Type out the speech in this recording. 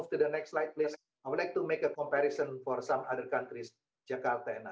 setidaknya satu hari jika tidak lima hari seminggu dari dua ribu lima hingga dua ribu delapan belas